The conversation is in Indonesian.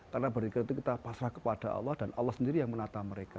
jadi kita pasrah kepada allah dan allah sendiri yang menata mereka